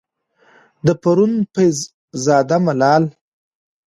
د پروين فيض زاده ملال،